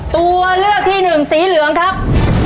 ตัวเลือกที่หนึ่งสีเหลืองครับ